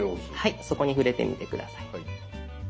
そこに触れてみて下さい。